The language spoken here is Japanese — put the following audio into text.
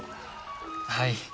はい。